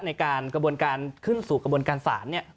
ในการกระบวนการขึ้นสู่กระบวนการศาลเนี่ย